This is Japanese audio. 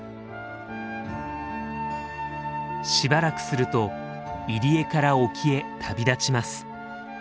しばらくすると入り江から沖へ旅立ちます。